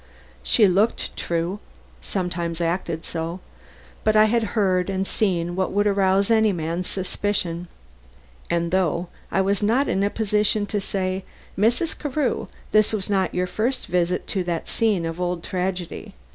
She looked true, sometimes acted so; but I had heard and seen what would rouse any man's suspicions, and though I was not in a position to say: "Mrs. Carew, this was not your first visit to that scene of old tragedy.